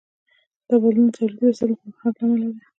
دا بدلون د تولیدي وسایلو د پرمختګ له امله دی.